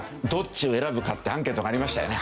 どっちを選ぶか？ってアンケートがありましたよね。